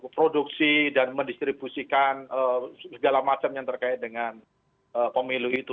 produksi dan mendistribusikan segala macam yang terkait dengan pemilu itu